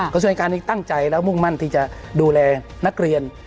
ก็ส่วนจากการตั้งใจและมุ่งมั่นที่จะดูแลนักเรียน